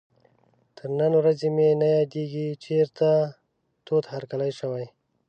تر نن ورځې مې نه یادېږي چېرته تود هرکلی شوی.